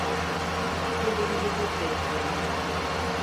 Birbirimize çok benziyoruz.